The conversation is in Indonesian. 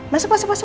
masuk masuk masuk